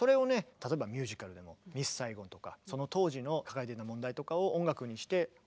例えばミュージカルでも「ミス・サイゴン」とかその当時の抱えてた問題とかを音楽にしてお送りしてる。